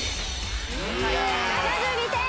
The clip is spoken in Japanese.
７２点。